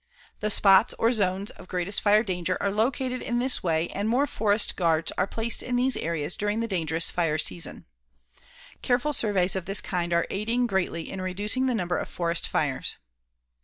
The spots or zones of greatest fire danger are located in this way and more forest guards are placed in these areas during the dangerous fire season. Careful surveys of this kind are aiding greatly in reducing the number of forest fires.